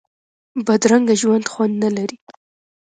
بدرنګه ژوند خوند نه لري